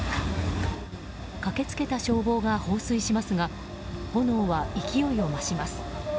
駆け付けた消防が放水しますが炎は勢いを増します。